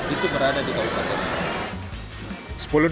itu berada di kabupaten ini